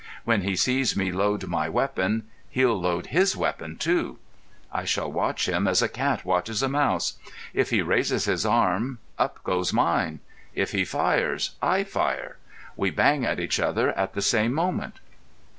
When he sees me load my weapon, he'll load his weapon too. I shall watch him as a cat watches a mouse. If he raises his arm, up goes mine. If he fires, I fire. We bang at each other at the same moment."